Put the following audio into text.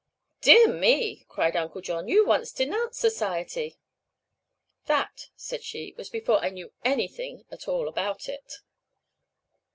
"Dear me!" cried Uncle John; "you once denounced society." "That," said she, "was before I knew anything at all about it."